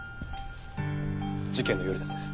事件の夜ですね。